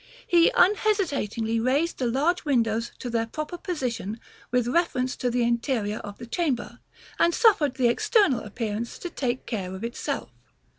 He unhesitatingly raised the large windows to their proper position with reference to the interior of the chamber, and suffered the external appearance to take care of itself.